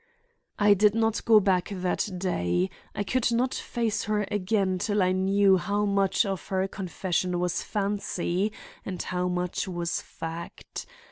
"I did not go back that day. I could not face her again till I knew how much of her confession was fancy and how much was fact.